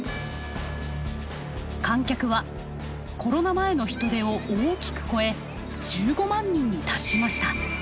観客はコロナ前の人出を大きく超え１５万人に達しました。